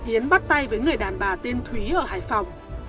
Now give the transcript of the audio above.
yến bắt tay với người đàn bà tên thúy ở hải phòng